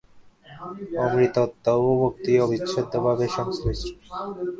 অমৃতত্ব ও মুক্তি অবিচ্ছেদ্যভাবে সংশ্লিষ্ট।